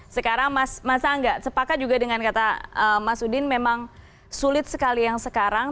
sekarang mas angga sepakat juga dengan kata mas udin memang sulit sekali yang sekarang